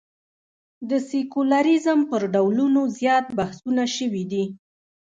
د سیکولریزم پر ډولونو زیات بحثونه شوي دي.